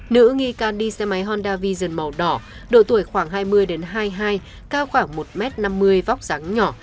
nữ nghi can đi xe máy honda visian màu đỏ độ tuổi khoảng hai mươi đến hai mươi hai cao khoảng một m năm mươi vóc dáng nhỏ